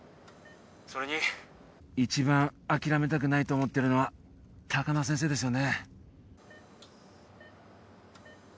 それに一番諦めたくないと思ってるのは高輪先生ですよね